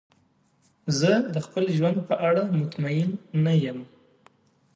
زه د خپل ژوند په اړه مطمئن نه یم.